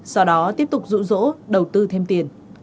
sau đó tiếp tục rụ rỗ đầu tư thêm tiền